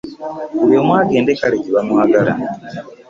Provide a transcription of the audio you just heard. Buli omu agende kale gye bamwagala.